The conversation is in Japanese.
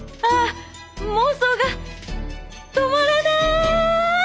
妄想が止まらない！